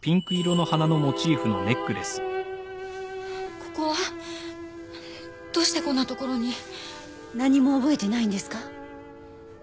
ここは？どうしてこんな所に。何も覚えてないんですか？